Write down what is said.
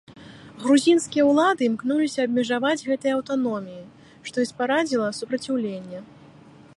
Грузінскія ўлады імкнуліся абмежаваць гэтыя аўтаноміі, што і спарадзіла супраціўленне.